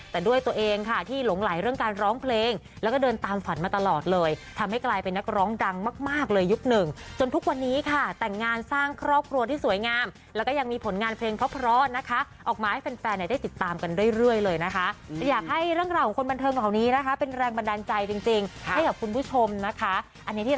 แต่ด้วยตัวเองค่ะที่หลงไหลเรื่องการร้องเพลงแล้วก็เดินตามฝันมาตลอดเลยทำให้กลายเป็นนักร้องดังมากมากเลยยุคหนึ่งจนทุกวันนี้ค่ะแต่งงานสร้างครอบครัวที่สวยงามแล้วก็ยังมีผลงานเพลงเพราะนะคะออกมาให้แฟนแฟนเนี่ยได้ติดตามกันเรื่อยเลยนะคะอยากให้เรื่องราวของคนบันเทิงเหล่านี้นะคะเป็นแรงบันดาลใจจริงให้กับคุณผู้ชมนะคะอันนี้ที่